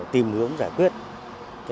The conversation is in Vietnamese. tìm hướng giải quyết